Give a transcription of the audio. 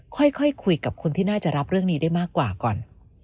ค่อยคุยกับคนที่น่าจะรับเรื่องนี้ได้มากกว่าก่อน